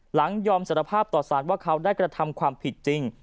ยอมสารภาพต่อสารว่าเขาได้กระทำความผิดจริง